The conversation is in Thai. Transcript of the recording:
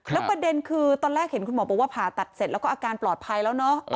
แล้วประเด็นคือตอนแรกเห็นคุณหมอบอกว่าผ่าตัดเสร็จแล้วก็อาการปลอดภัยแล้วเนอะ